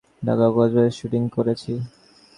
ঢাকা ও কক্সবাজারে শুটিং করেছি।